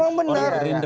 orang rindra kayak begini